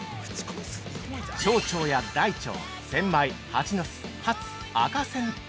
小腸や大腸、センマイ、ハチノス、ハツ、赤セン